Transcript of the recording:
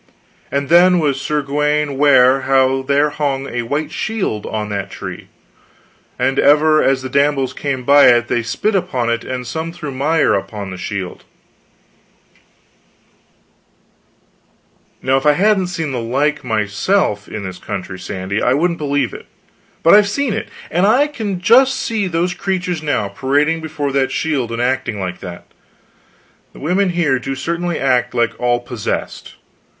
And then was Sir Gawaine ware how there hung a white shield on that tree, and ever as the damsels came by it they spit upon it, and some threw mire upon the shield " "Now, if I hadn't seen the like myself in this country, Sandy, I wouldn't believe it. But I've seen it, and I can just see those creatures now, parading before that shield and acting like that. The women here do certainly act like all possessed.